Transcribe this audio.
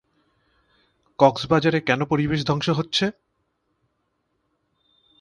কক্সবাজারে কেন পরিবেশ ধ্বংস হচ্ছে?